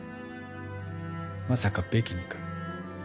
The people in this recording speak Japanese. まさかベキにか？